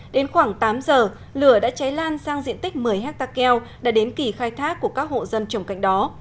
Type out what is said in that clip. đến khoảng tám giờ lửa đã cháy lan sang diện tích một mươi hectare keo đã đến kỳ khai thác của các hộ dân trồng cạnh đó